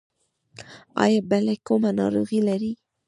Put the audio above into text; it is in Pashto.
ایا بله کومه ناروغي لرئ؟